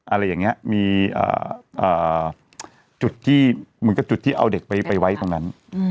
อะไรอย่างนี้มีจุดที่เหมือนกับจุดที่เอาเด็กไปไว้ตรงนั้น